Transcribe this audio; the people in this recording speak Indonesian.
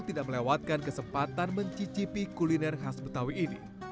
tidak melewatkan kesempatan mencicipi kuliner khas betawi ini